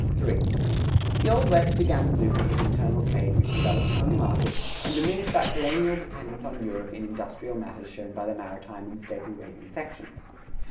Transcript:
III. The Old West began the movement of internal trade which developed home markets and diminished that colonial dependence on Europe in industrial matters shown by the maritime and staple raising sections.